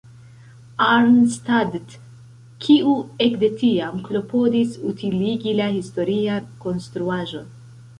Arnstadt" kiu ekde tiam klopodis utiligi la historian konstruaĵon.